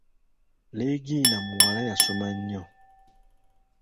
Leegina muwala yasoma nnyo.